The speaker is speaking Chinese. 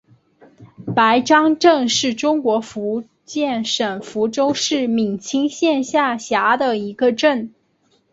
白樟镇是中国福建省福州市闽清县下辖的一个镇。